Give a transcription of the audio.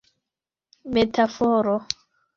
metaforo